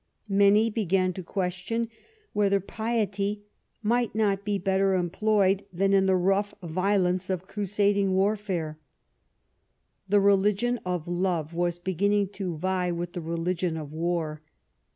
Many began to question whether piety might not be better employed than in the rough violence of crusading warfare. The religion of love was beginning to vie with the religion of war.